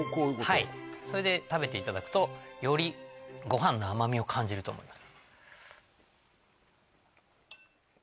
はいそれで食べていただくとよりご飯の甘みを感じると思います